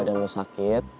kalau badan lo sakit